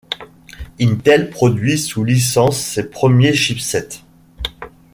Intel produit sous licence ses premiers chipsets.